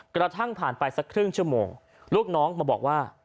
กระทั่งผ่านไปสักครึ่งชั่วโมงลูกน้องมาบอกว่า